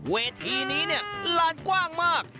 เวทีนี้ลานกว้างมาก